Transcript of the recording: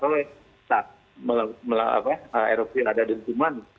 yang bisa erupsi ada dentuman